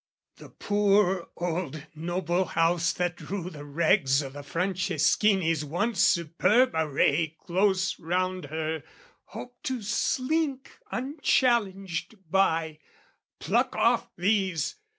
The poor old noble House that drew the rags O' the Franceschini's once superb array Close round her, hoped to slink unchallenged by, Pluck off these!